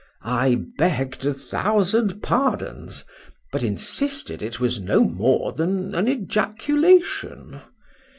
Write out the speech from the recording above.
—I begg'd a thousand pardons—but insisted it was no more than an ejaculation.